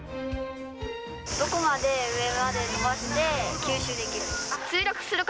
どこまで上まで飛ばして、吸収できる？